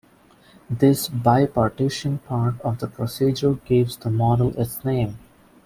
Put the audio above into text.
This "bi-partisan" part of the procedure gives the model its name.